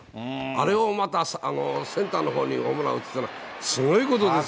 あれをまた、センターのほうにホームラン打つっていうのは、すごいことですよ。